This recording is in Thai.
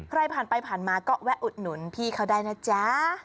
ใครผ่านไปผ่านมาก็แวะอุดหนุนพี่เขาได้นะจ๊ะ